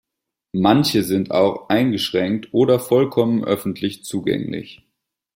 Manche sind auch eingeschränkt oder vollkommen öffentlich zugänglich.